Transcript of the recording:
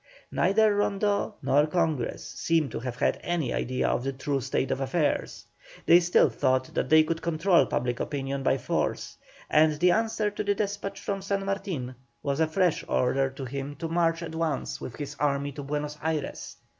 Neither Rondeau nor Congress seem to have had any idea of the true state of affairs; they still thought that they could control public opinion by force, and the answer to the despatch from San Martin was a fresh order to him to march at once with all his army to Buenos Ayres.